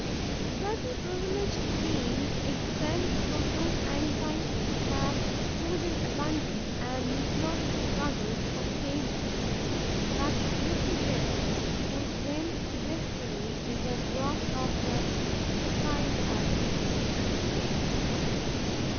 Certain privileged beings, exempt from those anxieties, have food in abundance and need not struggle to obtain it. Such is the Gentle, who swims blissfully in the broth of the putrefying adder.